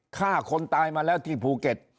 ฆ่าคนตายมาแล้วที่ภูเก็ต